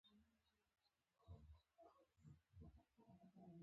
افغانستان خلکو به دا پر خپل استقلال تېری بللی وای.